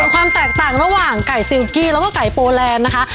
ความแตกต่างระหว่างไก่ซิลกี้แล้วก็ไก่โปแลนด์นะคะ